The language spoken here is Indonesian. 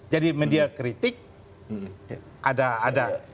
jadi media kritik ada ada